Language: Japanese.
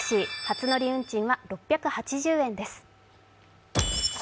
初乗り運賃は６８０円です。